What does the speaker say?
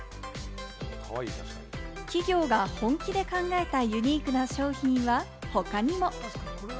企業が本気で考えたユニークな商品は他にも。